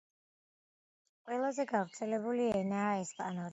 ყველაზე გავრცელებული ენაა ესპანური.